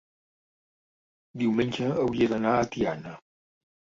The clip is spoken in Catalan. diumenge hauria d'anar a Tiana.